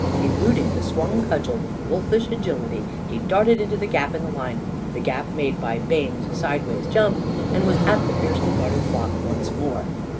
Eluding the swung cudgel with wolfish agility, he darted into the gap in the line the gap made by Bayne's sideways jump and was at the fiercely guarded flock once more.